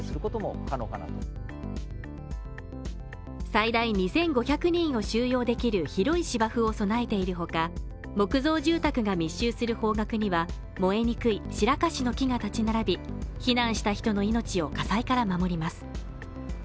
最大２５００人を収容できる広い芝生を備えているほか木造住宅が密集する方角には燃えにくいシラカシの木が立ち並び避難した人の命を火災から守ります